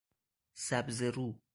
سبزه رو